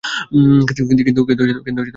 কিন্তু তাকে পাওয়া যায় নাই।